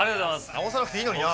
直さなくていいのにな。